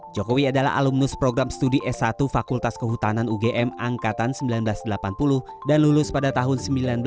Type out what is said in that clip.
jokowi adalah alumnus program studi s satu fakultas kehutanan ugm angkatan seribu sembilan ratus delapan puluh dan lulus pada tahun seribu sembilan ratus sembilan puluh